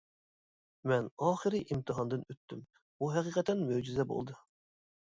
مەن ئاخىرى ئىمتىھاندىن ئۆتتۈم، بۇ ھەقىقەتەن مۆجىزە بولدى.